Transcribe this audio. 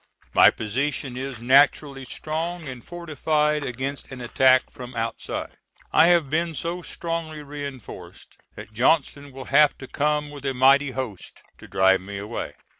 My position is naturally strong and fortified against an attack from outside. I have been so strongly reinforced that Johnston will have to come with a mighty host to drive me away.